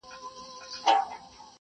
خپل کور تل روښانه وساتئ.